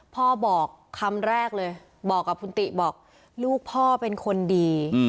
พ่อบอกคำแรกเลยบอกกับคุณติบอกลูกพ่อเป็นคนดี